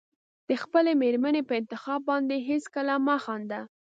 د خپلې مېرمنې په انتخاب باندې هېڅکله مه خانده.